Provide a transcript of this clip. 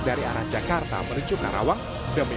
dari arah jakarta menuju karawang demi